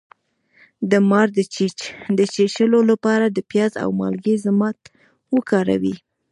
د مار د چیچلو لپاره د پیاز او مالګې ضماد وکاروئ